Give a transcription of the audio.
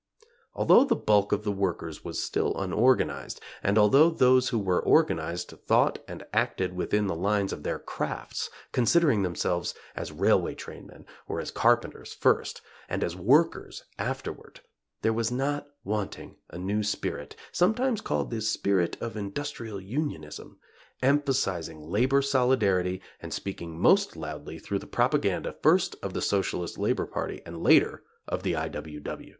Although the bulk of the workers was still unorganized, and although those who were organized thought and acted within the lines of their crafts, considering themselves as railway trainmen or as carpenters first, and as workers afterward, there was not wanting a new spirit sometimes called the spirit of industrial unionism emphasizing labor solidarity and speaking most loudly through the propaganda, first of the Socialist Labor Party and later of the I.